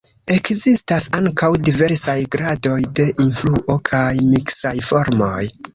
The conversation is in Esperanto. Ekzistas ankaŭ diversaj gradoj de influo kaj miksaj formoj.